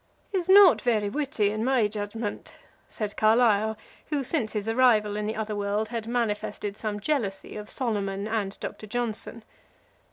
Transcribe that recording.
"He's not very witty, in my judgment," said Carlyle, who since his arrival in the other world has manifested some jealousy of Solomon and Doctor Johnson.